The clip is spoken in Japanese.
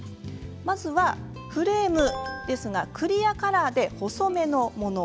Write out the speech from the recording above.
まずはフレームですがクリアカラーで細めのもの。